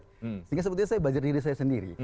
sehingga sebetulnya saya belajar diri saya sendiri